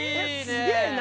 すげえな！